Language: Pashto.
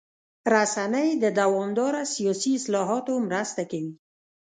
رسنۍ د دوامداره سیاسي اصلاحاتو مرسته کوي.